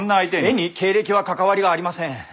絵に経歴は関わりがありません。